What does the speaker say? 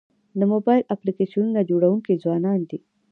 د موبایل اپلیکیشنونو جوړونکي ځوانان دي.